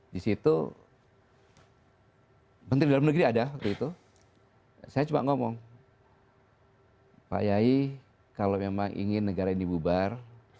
di situ menteri dalam negeri ada waktu itu saya cuma ngomong pak yayi kalau memang ingin negara ini bubar